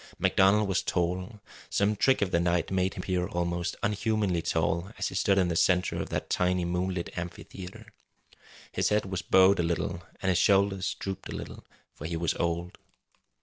MacDonald was tall; some trick of the night made him appear almost unhumanly tall as he stood in the centre of that tiny moonlit amphitheatre. His head was bowed a little, and his shoulders drooped a little, for he was old.